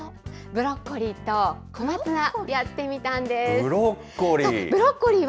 ブロッコリーと小松菜、やってみブロッコリー。